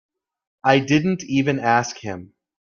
I didn't even ask him.